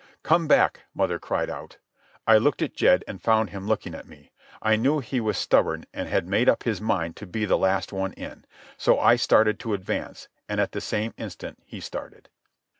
"Come back!" mother cried out. I looked at Jed, and found him looking at me. I knew he was stubborn and had made up his mind to be the last one in. So I started to advance, and at the same instant he started.